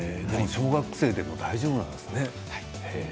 小学生でも大丈夫なんですね。